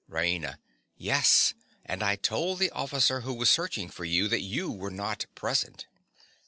RAINA. Yes; and I told the officer who was searching for you that you were not present.